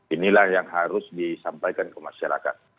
inilah yang harus disampaikan ke masyarakat